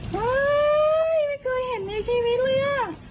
เฮ้ยไม่เคยเห็นในชีวิตเลยอ่ะ